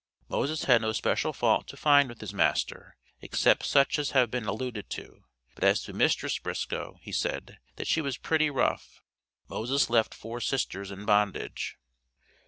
Moses had no special fault to find with his master, except such as have been alluded to, but as to mistress Briscoe, he said, that she was pretty rough. Moses left four sisters in bondage.